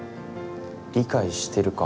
理解してるか。